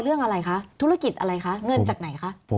เรื่องอะไรคะธุรกิจอะไรคะเงินจากไหนคะ